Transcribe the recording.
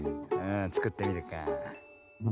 つくってみるか。